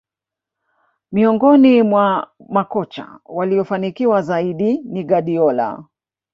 miongoni mwa makocha waliofanikiwa zaidi ni guardiola